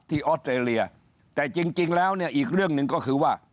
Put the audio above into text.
ออสเตรเลียแต่จริงแล้วเนี่ยอีกเรื่องหนึ่งก็คือว่า